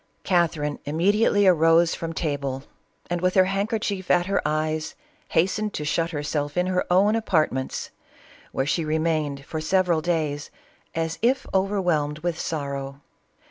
Catherine immediately arose from table, and, with her handkerchief at her eyes, hastened to shut hersjelf in her own apartments, where she remained for several days, as if overwhelmed with sorrow.